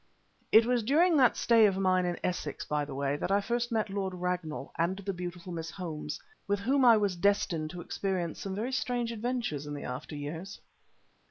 It was during that stay of mine in Essex, by the way, that I first met Lord Ragnall and the beautiful Miss Holmes with whom I was destined to experience some very strange adventures in the after years.